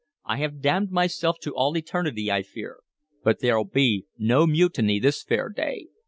I have damned myself to all eternity, I fear, but there'll be no mutiny this fair day.